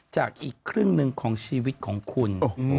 อีกครึ่งหนึ่งของชีวิตของคุณ